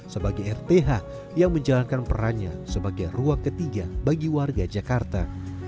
sebagai rth yang menjalankan perannya sebagai ruang ketiga bagi warga jakarta